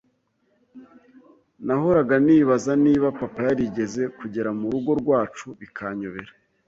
nahoraga nibaza niba papa yarigeze kugera mu rugo rwacu bikanyobera,